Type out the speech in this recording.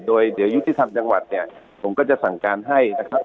โดยเดี๋ยวยุติธรรมจังหวัดเนี่ยผมก็จะสั่งการให้นะครับ